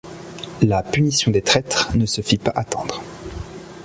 La punition des traîtres ne se fit pas attendre.